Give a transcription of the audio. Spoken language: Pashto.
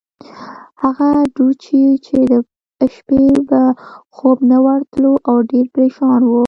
هغه ډوچي چې د شپې به خوب نه ورتلو، او ډېر پرېشان وو.